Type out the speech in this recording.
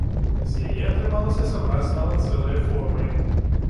З яе атрымалася сабраць нават цэлыя формы.